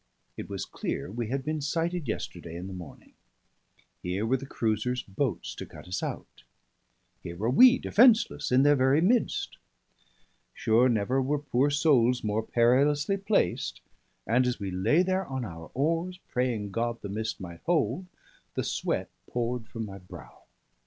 It was clear we had been sighted yesterday in the morning; here were the cruiser's boats to cut us out; here were we defenceless in their very midst. Sure, never were poor souls more perilously placed; and as we lay there on our oars, praying God the mist might hold, the sweat poured from my brow.